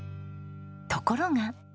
ところが。